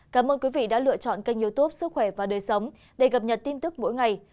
cảm ơn quý vị đã lựa chọn kênh youtube sức khỏe và đời sống để cập nhật tin tức mỗi ngày